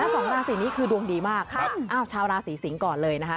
แล้วสองราศีนี้คือดวงดีมากชาวราศีสิงศ์ก่อนเลยนะคะ